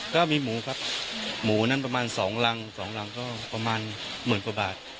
ก็มีหมูครับหมูนั้นประมาณ๒รัง๒รังก็ประมาณหมื่นกว่าบาท